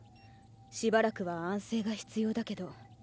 しばらくは安静が必要だけど。